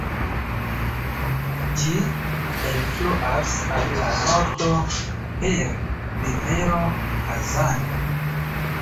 Ĝi elfluas al la nordo per rivero Kazan.